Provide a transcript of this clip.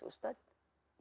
bukankah dia bagus ustadz